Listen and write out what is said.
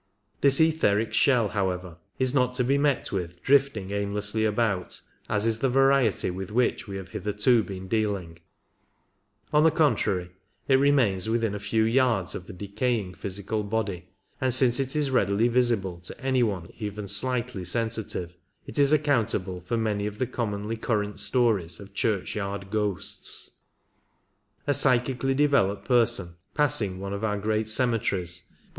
This etheric shell, however, is not to be met with drifting aimlessly about, as is the variety with which we have hitherto been dealing ; on the contrary, it remains within a few yards of the decaying physical body, and since it is readily visible to any one even slightly sensitive, it is accountable for many of the commonly current stories of churchyard ghosts. A psychically developed person passing one of our great cemeteries will